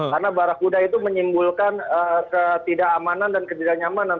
karena barah kuda itu menyimpulkan ketidakamanan dan ketidaknyamanan